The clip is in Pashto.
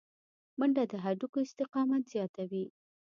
منډه د هډوکو استقامت زیاتوي